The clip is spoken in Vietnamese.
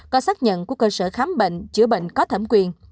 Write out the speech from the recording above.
có xác nhận của cơ sở khám bệnh chữa bệnh có thẩm quyền